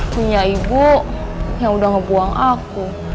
punya ibu yang udah ngebuang aku